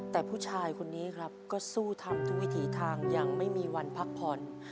แต่ผู้ชายคนนี้ครับก็สู้ทำทุกวิถีทางยังไม่มีวันพักผ่อน